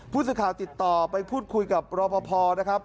ผู้สื่อข่าวติดต่อไปพูดคุยกับรอปภนะครับ